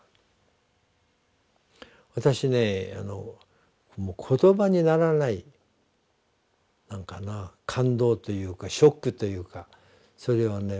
私ねもう言葉にならない感動というかショックというかそれをね